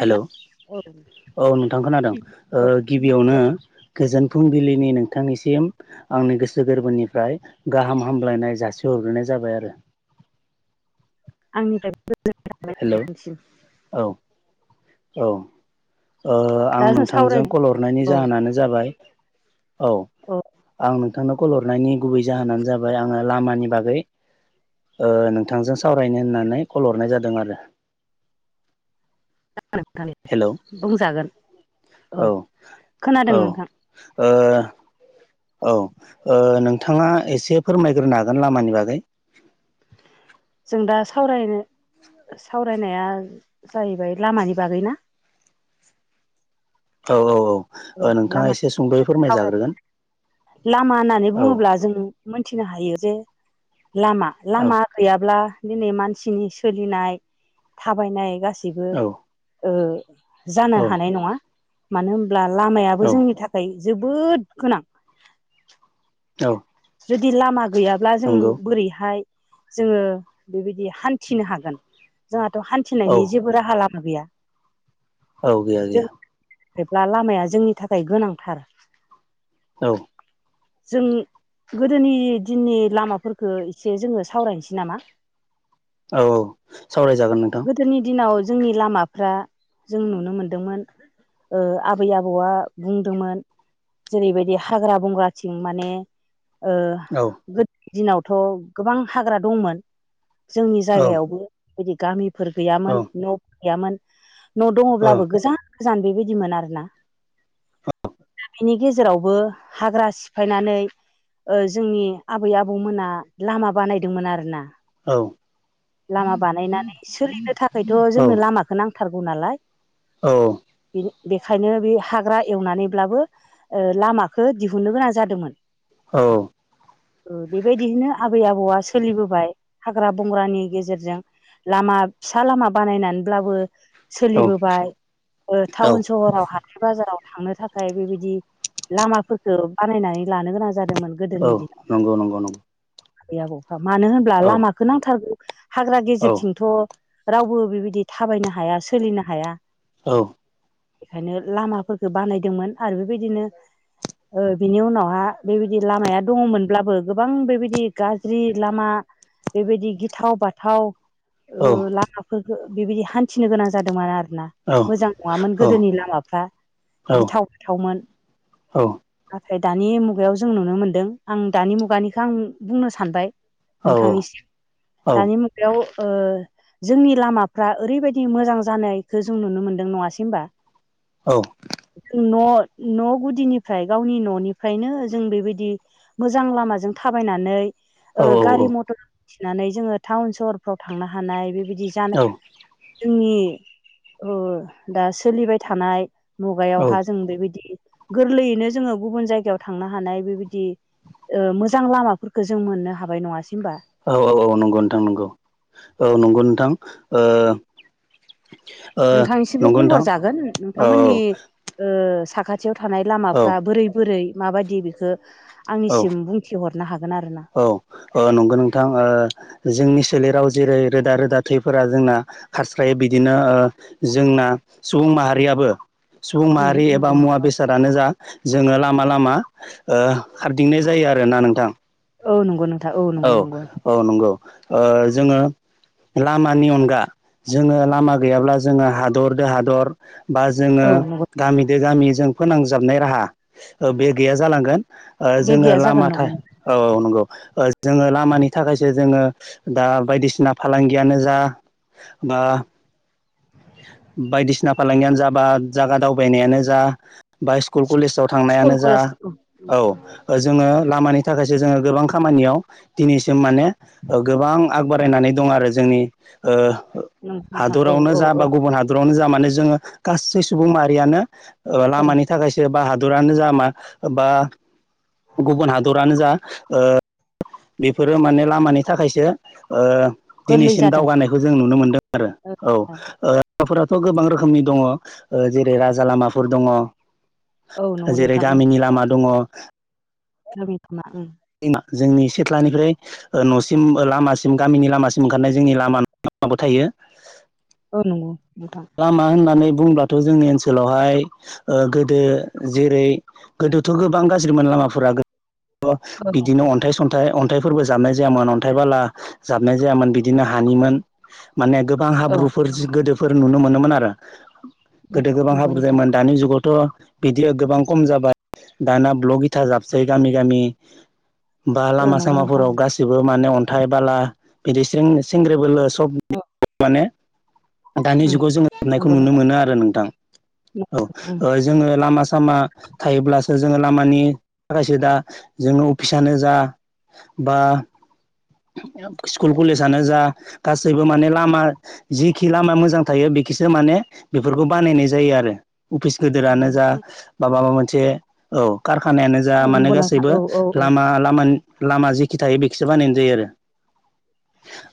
Hello औ नोंथां खोनादों ओ औ गिबि गिबियावनो औ दे गोजोन फुंबिलिनि नोंथांनिसिम आंनि गोसो गोरबोनिफ्राय गाहाम हामलायनाय जासिहरग्रोनाय जाबाय आरो। [inaudible] आंनिफ्राय [unintelligible] हेलौ गोजोनसिम औ औ ओ आं दा जों नोंथांजों सावरायनो कल हरनायनि औ जाहोनानो जाबाय औ आं नोंथांखौ कल हरनायनि गुबै जाहोनानो जाबाय आङो लामानि बागै ओ नोंथांजों सावरायनो होननानै कल हरनाय जादों आरो। हेलौ [unintelligible] बुंजागोन औ खोनादों औ नोंथां ओ औ ओ नोंथाङा एसे फोरमायग्रोनो हागोन लामानि बागै? जों दा सावरायनो सावरायनाया जाहैबाय लामानि बागै ना। औ औ औ औ ओ नोंथाङा लामा एसे सुंद'यै फोरमायजाग्रोगोन। लामा होननानै औ बुङोब्ला जों मोनथिनो हायो जे लामा औ लामा गैयाब्ला दिनै मानसिनि सोलिनाय थाबायनाय गास सिबो औ ओ जानो औ हानाय नङा मानो होम ब्ला लामायाबो औ जोंनि थाखाय जोबोद गोनां। औ जुदि लामा गैयाब्ला जों नंगौ बोरैहाय जोङो बेबायदि हान्थिनो हागोन। जोंहाथ' हान्थिनायनि औ जेबो राहा लाम मा गैया। औ गैया जों गैया। जेब्ला लामाया जोंनि थाखाय गोनांथार। औ जों गोदोनि दिननि लामाफोरखो एसे जोङो सावरायनोसै नामा। औ औ सावरायजागोन नोंथां। गोदोनि दिनाव जोंनि लामाफ्रा जों नुनो मोनदोंमोन ओ आबै आबौआ बुंदोंमोन जेरैबायदि हाग्रा बंग्राथिं माने ओ औ गोद दिनावथ' गोबां हाग्रा दंमोन। जोंनि औ जायगायावबो बिदि गामिफोर औ गैयामोन न' गैयामोन। न' औ दङब्लाबो गोजान गोजान बेबायदिमोन आरोना। दा बेनि गेजेरावबो हाग्रा सिफायनानै ओ जोंनि आबै आबौमोना लामा बानायदोंमोन आरो ना। औ लामा बानायनानै सोलिनो थाखायथ' जोंनो लामाखौ नां थारगौ नालाय। औ बेखायनो बे हाग्रा एवनानैब्लाबो ओ लामाखो दिहुननो गोनां जादोंमोन। औ ओ बेबायदिनो आबै आबौआ सोलिबोबाय हाग्रा बंग्रानि गेजेरजों लामा फिसा लामा बानायनानैब्लाबो सोलिबोबाय ओ औ टाउन सहराव हाथाय बाजाराव थांनो थाखाय बेबायदि लामाफोरखो बानायनानै लानो गोनां दोंमोन औ गोदोनि दिनाव। नंगौ नंगौ नंगौ आबै आबौफ्रा मानो होमब्ला औ लामाखौ नांथारगौ हाग्रा औ गेजेरथिंथ' रावबो बेबायदि थाबायनो हाया सोलिनो हाया। औ बेखायनो लामाफोरखो बानायदोंमोन आरो बेबायदिनो ओ बिनि उनावहा बेबायदि लामाया दङमोनब्लाबो गोबां बेबायदि गाज्रि लामा बेबायदि गिथाव बाथाव औ ओ लामाफोरखो बेबायदि हान्थिनो गोनां जादोंमोन आरो ना मोजां नङामोन गोदोनि लामाफ्रा औ गिथाव बाथावमोन। औ दानि मुगायाव जों नुनो मोन्दों आं दानि मुगानिखो आं बुंनो सानबाय नोंथांनिसिम दानि मुगायाव ओ जोंनि लामाफ्रा ओरैबायदि मोजां जानायखो जों नुनो मोनदों नङासै होनबा। जों न' न' गुदिनिफ्राय गावनि न'निफ्रायनो जों बेबायदि मोजां लामाजों थाबायनानै ओ गारि मथर थिनानै जोङो टाउन सहरफ्राव थांनो हानाय बेबायदि जानो जोंनि ओ दा सोलिबाय थानाय मुगायावहा जों बेबायदि गोरलैयैनो जोङो गुबुन जायगायाव थां थांनो हानाय बेबायदि ओ मोजां लामाफोरखौ जों मोननो हाबाय नङासै होमबा औ औ औ नंगौ नोंथां नंगौ औ नंगौ नोंथां ओ ओ नोंथांनिसिबो नंगौ नोंथां बुंहरजागोन औ नोंथांमोननि ओ सा खाथियाव थानाय औ लामाफ्रा बोरै बोरै माबायदि बेखौ औ औ आंनिसिम बुंथिहरनो हागोन आरो ना औ ओ नंगौ नोंथां ओ जोंनि सोलेराव जेरै रोदा रोदा थैफोरा जोंना खारस्रायो बिदिनो ओ जोंना सुबुं माहारिआबो सुबुं उम माहारि एबा नंगौ मुवा नोंथां औ बेसादानो जा जोङो लामा लामा लामा ओ हारदिंनाय जायो आरोना नोंथां औ नंगौ नों औ औ नंगौ ओ जोङो लामानि अनगा जोङो लामा गैयाब्ला जोङो हादर दो हादर बा जोङो औ नंगौ गामिदो गामि जों फोनांजाबनाय राहा बे गैया जालांगोन ओ बे जोङो गैया जागोन लामा था नंगौ औ औ नंगौ ओ जोङो लामानि थाखाय जोङो दा बायदिसिना फालांगियानो जा बा बायदिसिना फालांगियानो जा बा जायागा दावबायनायानो जा बा स्कुल कलेजाव स्कुल थांनायानो जा कलेज औ औ जोङो लामानि थाखायसो जोङो गोबां खामानियाव दिनैसिम माने गोबां आग बारायनानै दं आरो जोंनि ओ नंगौ नोंथां औ हादरावनो औ जा औ बा गुबुन हादरावनो जा माने जोङो गासै सुबुं माहारियानो ओ औ लामानि थाखायसो बा हादरानो जा मा बा गुबुन हादरानो जा ओ बेफोरो माने लामानि थाखायसो ओ गोरलै दिनैसिम जादों दावगानायखौ जों नुनो मोनदों आरो औ ओ थ' गोबां रोखोमनि दङ ओ जेरै राजा लामाफोर दङ औ नंगौ जेरै गामिनि लामा दङ समिखना ओम जोंनि सिथ्लानिफ्राय ओ न'सिम लामासिम गामिनि लामासिम ओंखारनाय जोंनि लामा न' माबा थायो औ नोंगौ लामा होननानै बुंब्लाथ' जोंनि ओनसोलावहाय ओ गोदो जेरै गोदोथ' गोबां गाज्रिमोन लामाफोरा बिदिनो अन्थाइ सन्थाइ अन अन्थाइफोरबो जाबनाय जायामोन अन्थाइ बाला जाबनाय जायामोन बिदिनो हानिमोन माने गोबां औ हाब्रुफोर गोदोफोर नुनो मोनोमोन आरो गोदो गोबां नंगौ हाब्रु नोंथां जायोन दानि जुगाव थ' बिदि गोबां खम जाबाय दाना ब्लग इथा जाबसै गामि गामि बा औ लामा नंगौ नोंथां सामाफोराव गासिबो माने अन अन्थाय बाला बिदि सिं सेंग्रेबोल सब औ माने दानि जुगाव जोङो जोबनायखौ नंगौ नुनो नोंथां मोनो आरो नोंथां ओं औ नोंथां जोङो लामा सामा थायोब्लासो जोङो लामानि थाखायसो दा जोङो अफिसानो जा बा स्कुल कलेजानो जा गासैबो माने लामा जिखि लामा मोजां थायो बेखिसो माने बे बानायनाय जायो आरो अफिस गोदोरानो जा बा माबा मोनसे ओ खारखाना खानायानो जा औ मानोे नंगौ नोंथां गासैबो औ औ लामा लामानि लामा जेखि थायो बेखिसो बानायनाय जायो आरो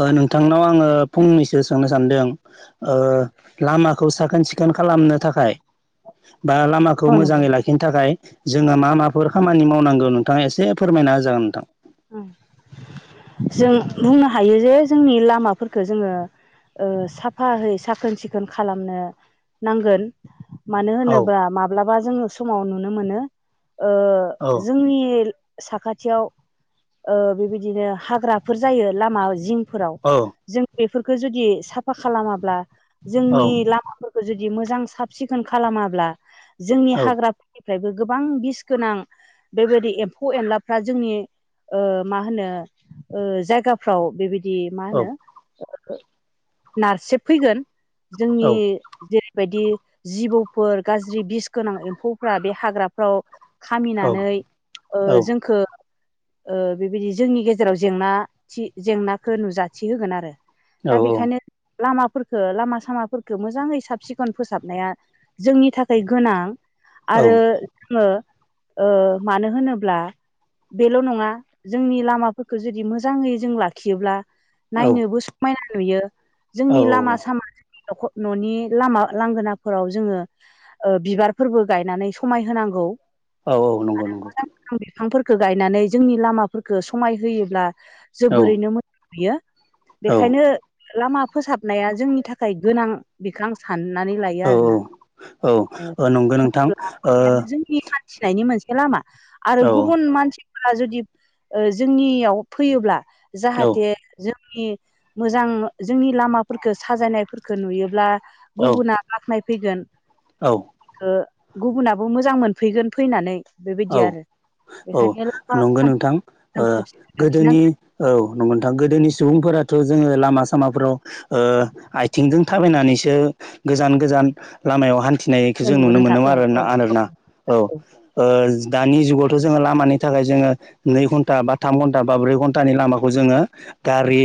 ओ नोंथांनाव आङो फंनैसो सोंनो सानदों ओ लामाखौ साखोन सिखोन खालामनो थाखाय बा लामाखौ औ नंगौ मोजाङै लाखिनो थाखाय जोङो मा माफोर खामानि मावनांगौ नोंथाङा एसे फोरमायना होजागोन नोंथां। जों बुंनो हायो जे जोंनि लामाफोरखो जोङो ओ साफाहै साखोन सिखोन खालामनो नांगोन। मानो औ होनोबा माब्लाबा जोङो समाव नुनो मोनो ओ औ जोंनि साखाथियाव ओ बेबायदिनो हाग्राफोर जायो लामा जिंफोराव औ जों बे फोरखो जुदि साफा खालामाब्ला औ जोंनि लामाफोरखौ जु दि मोजां साब सिखोन खालामाब्ला जोंनि औ हाग्रा फोरनि फ्रायबो गोबां बिस गोनां बेबायदि एम्फौ एनलाफ्रा जोंनि ओ मा होनो ओ जायगाफ्राव बेबायदि मा औ होनो ओ नारसेब फैगोन औ जोंनि जेरै बायदि जिबौफोर गाज्रि बिस गोनां एम्फौफ्रा बे हाग्राफ्राव औ खामिनानै ओ जोंखो ओ बेबायदि जोंनि गेजेराव जेंना थि जेंनाखौ नुजाथि होगोन आरो दा बेखायनो लामाफोरखो लामा-सामाफोरखो मोजाङै साब सिखन फोसाबनाया जोंनि थाखाय गोनां। आरो जोङो मानो ओ होनोब्ला बेल' नङा जोंनि लामाफोरखो जुदि मोजाङै जों लाखियोब्ला नायनोबो समायना नुयो। औ जोंनि लामा सामाजों नख'-न'नि लामा लांगोनाफोराव जोङो ओ बिबारफोरबो गायनानै समाय होनांगौ। औ औ नंगौ नंगौ। बिफांफोरखो गायनानै जोंनि लामाफोरखो समाय होयोब्ला औ जोबोरैनो मोजां नुयो। औ बेखायनो लामा फोसाबनाया जोंनि थाखाय गोनां बेखो आं सा ननानै लायो औ आरोना। औ ओ औ नंगौ नोंथां होनब्ला जोंनि हा न्थिनायनि मोनसे लामा आरो ओ गुबुन मानसिफोरा जुदि ओ जोंनियाव फैयोब्ला औ जाहाथे जों नि मोजां जोंनि लामाफोरखो साजायनायफोरखो नुयोब्ला औ गुबुना बाख्नायफैगोन औ बेखो गुबुनाबो मोजां मोनफैगोन फैनानै। बेबायदि औ आरो औ। बेखायनो लामा नंगौ नोंथां ओ आं साबसिन गोदोनि लाखिनांगोन औ नंगौ नोंथां गोदोनि सुबुंफोरा थ' जोङो लामा सामाफोराव ओ आथिंजों थाबायनानैसो गोजान गोजान लामायाव हान्थिनायखौ जों नंगौ नुनो नोंथां मोनोमोन औ औ आरोना आरोना औ दानि जुगावथ' जोङो लामानि थाखाय जोङो नै घन्टा बा थाम घन्टा बा ब्रै घन्टानि लामाखौ जोङो गारि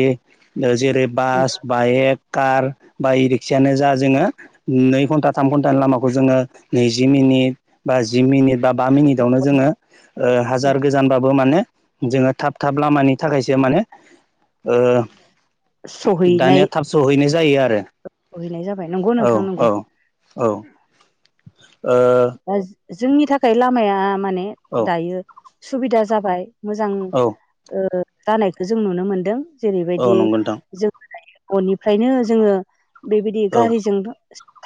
जेरै- नंगौ बास, बाइक, कार बा इ रिक्सायानो जा जोङो नै घन्टा थाम घन्टानि लामाखौ जोङो नैजि मिनिट बा जि मिनिट बा बा मिनिटआवनो जोङो उम हाजार गोजानबाबो माने जोङो थाब थाब लामानि थाखायसो माने ओ सहैनाय दानिया थाब सहैनाय जायो आरो। सहैनाय जाबाय नंगौ औ नोंथां नंगौ औ औ। जोंनि थाखाय लामाया माने ओ दायो सुबिदा जाबाय, मोजां औ जानायखौ जों नुनो मोनदों औ जेरैबायदि नंगौ नोंथां जों ननिफ्रायनो जोङो बेबायदि औ गारिजों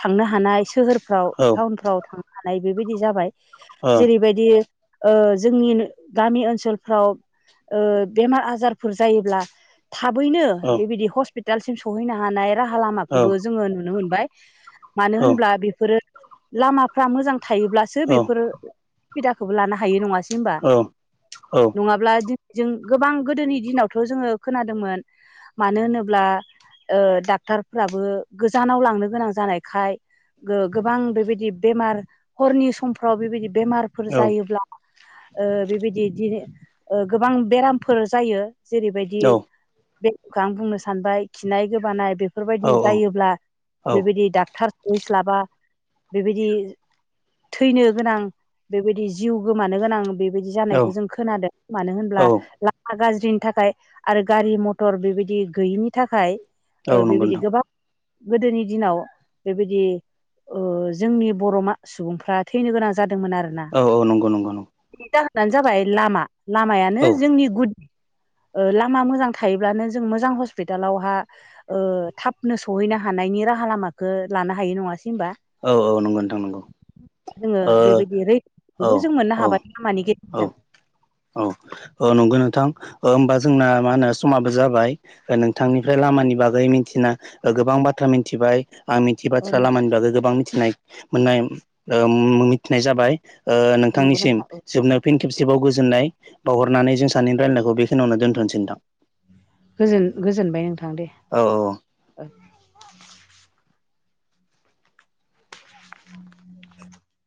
थांनो हानाय सोहोर फ्राव औ ओ टाउनफ्राव थांनो हानाय बेबायदि जाबाय, औ जेरैबायदि ओ जोंनि गामि ओनसोलफ्राव ओ बेमार आजारफोर जायोब्ला थाबैनो औ बेबायदि हस्पितालसिम सहैनो हानाय राहा औ लामाखोबो जोङो नुनो मोनबाय। मानो औ होनब्ला बेफोरो लामाफ्रा मोजां थायोब्लासो औ बेफोरो सुबिदाखौबो लानो हायो नङासै होमबा नङाब्ला जों गोबां गोदोनि दिनावथ' जोङो खोनादोंमोन मानो होनोब्ला डाक्टरफ्राबो गोजानाव लांनो गोनां जानायखाय गो गोबां बेबायदि बेमार हरनि समफ्राव बेबायदि बेमारफोर जायोब्ला ओ बेबायदि इदिनो ओ गोबां बेरामफोर जायो जेरैबायदि बेरामखौ आं बुंनो सानबाय खिनाय गोबानाय बे बेफोरबायदि जायोब्ला बेबायदि डाक्टार स'हैस्लाबा बेबायदि दि थैनो गोनां बेबायदि जिउ गोमानो गोनां बे बिदि जानायखौ जों खोनादों मानो होनोब्ला लामा गाज्रि ज्रिनि थाखाय आरो गारि मटर बेबायदि गैयिनि थाखाय ओ नंगौ बेबायदि नोंथां गोबां गोदोनि दिनाव बेबायदि ओह जोंनि बर' मा-सुबुंफ्रा थैनो गोनां जादों दोंमोन आरोना औ औ नंगौ नंगौ नंगौ बेनि जाहोनानो जाबाय लामा औ लामायानो जोंनि गुद [inaudible] ओह लामा मोजां थायोब्लानो जों मोजां हस्पिटालावहा ओह थाबनो सहैनो हानायनि राहा लामाखो लानो हायो नङासै होनबा औ औ नंगौ नोंथां नंगौ जोङो ओ बेबायदि औ रैखाखौबो जों मोननो औ हाबाय लामानि औ गेजेरजों औ औ नंगौ नोंथां ओह होमबा जोंना मा होनो समाबो जाबाय नोंथांनिफ्राय लामानि बागै मिथिना गोबां बाथ्रा मिथिबाय आं मिथियै औ बाथ्रा लामानि बागै गोबां मिथिनाय मोननाय ओह मो-मिथिनाय जाबाय ओह नंगौ नोंथांनिसिम नोंथां औ जोबनायाव फिन खेब खेबसेबाव गोजोननाय बावहरनानै जों सानैनिनो रायलायनायखौ बेखिनियावनो दोनथ'नोसै नोंथां गोजोन-गोजोनबाय नोंथां दे औ औ [inaudible]